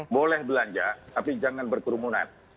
boleh belanja tapi jangan berkerumunan